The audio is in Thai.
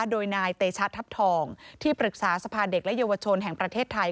โดยนายเตชะทัพทองที่ปรึกษาสภาเด็กและเยาวชนแห่งประเทศไทย